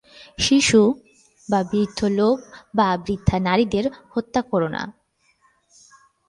শিশু বা বৃদ্ধ লোক বা বৃদ্ধা নারীদের হত্যা করো না।